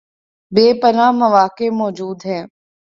بے پناہ مواقع موجود ہیں